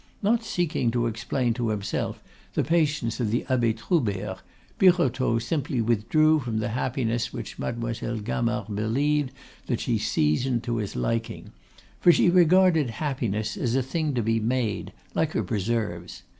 Not seeking to explain to himself the patience of the Abbe Troubert, Birotteau simply withdrew from the happiness which Mademoiselle Gamard believed that she seasoned to his liking, for she regarded happiness as a thing to be made, like her preserves.